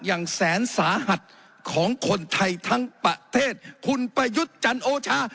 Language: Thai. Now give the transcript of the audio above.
อย่างแสนสาหัสของคนไทยทั้งประเทศคุณประยุทธ์จันโอชา